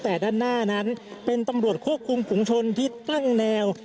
แต่ด้านหน้านั้นเป็นตำรวจควบคุมฝุงชนที่ตั้งแนว